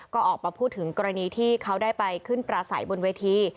ก็ออกมาพูดถึงกรณีที่เขาได้ไปขึ้นปราศัยบนเวที